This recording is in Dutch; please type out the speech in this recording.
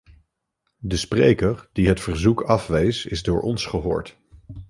De spreker die het verzoek afwees, is door ons gehoord.